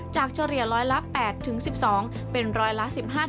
เฉลี่ยร้อยละ๘๑๒เป็นร้อยละ๑๕